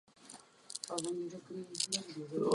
Jeho dokončení se však již nedočkal.